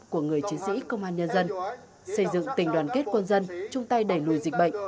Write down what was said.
của người chiến sĩ công an nhân dân xây dựng tình đoàn kết quân dân chung tay đẩy lùi dịch bệnh